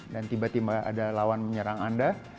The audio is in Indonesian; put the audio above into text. dan tiba tiba ada lawan menyerang anda